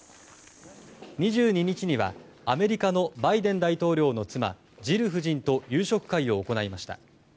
２２日にはアメリカのバイデン大統領の妻・ジル夫人と夕食会を行いました。